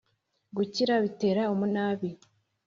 Gukira bitera umuna ibi